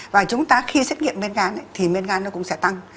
và chúng ta khi xét nghiệm men gan thì men gan nó cũng sẽ tăng